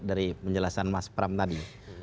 dari penjelasan mas pram tadi